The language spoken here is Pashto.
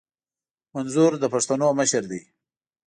منظور د پښتنو مشر دي